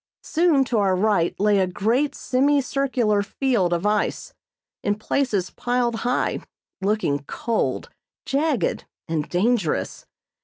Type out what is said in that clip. Soon to our right lay a great semi circular field of ice, in places piled high, looking cold, jagged and dangerous.